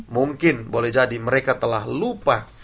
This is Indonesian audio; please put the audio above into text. mungkin boleh jadi mereka telah lupa